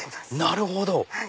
なるほど！